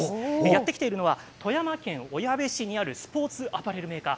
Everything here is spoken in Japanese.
やって来ているのは富山県小矢部市にあるスポーツアパレルメーカー。